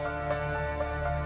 jangan lupa untuk berlangganan